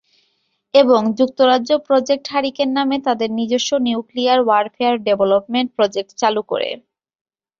এবং যুক্তরাজ্য project hurricane নামে তাদের নিজস্ব নিউক্লিয়ার ওয়ারফেয়ার ডেভলপমেন্ট প্রোজেক্ট চালু করে।